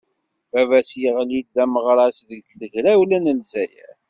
Baba-s, yeɣli d ameɣras deg tegrawla n Lezzayer.